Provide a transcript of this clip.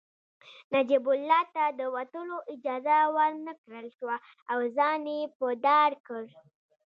نجیب الله ته د وتلو اجازه ورنکړل شوه او ځان يې په دار کړ